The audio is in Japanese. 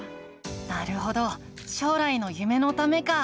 なるほど将来の夢のためか。